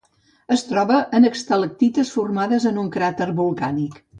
Es troba en estalactites formades en un cràter volcànic.